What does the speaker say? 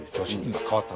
今変わった。